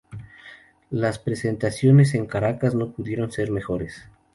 Las presentaciones en Caracas no pudieron ser mejores.